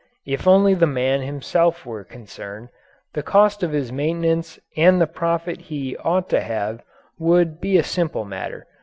If only the man himself were concerned, the cost of his maintenance and the profit he ought to have would be a simple matter.